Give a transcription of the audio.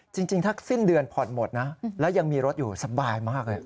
จริงถ้าสิ้นเดือนผ่อนหมดนะแล้วยังมีรถอยู่สบายมากเลย